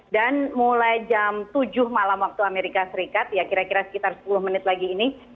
dan mulai jam tujuh malam waktu amerika serikat ya kira kira sekitar sepuluh menit lagi ini